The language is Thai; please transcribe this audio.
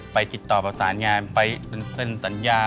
ติดต่อประสานงานไปเซ็นสัญญา